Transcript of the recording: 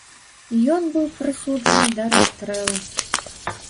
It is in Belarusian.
Ён быў прысуджаны да расстрэлу.